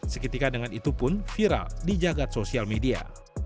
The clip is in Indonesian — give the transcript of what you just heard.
seketika dengan itu pun viral di jagad sosial media